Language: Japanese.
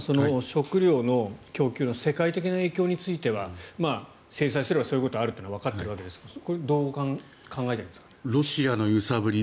食料の供給の世界的な影響については制裁すればそういうことがあるというのはわかっているわけですがロシアの揺さぶり